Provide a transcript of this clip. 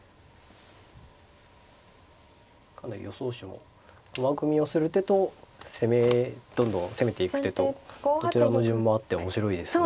かなり予想手も駒組みをする手とどんどん攻めていく手とどちらの順もあって面白いですね。